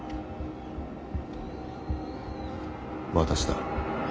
私だ。